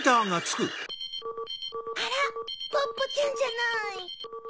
あらポッポちゃんじゃない！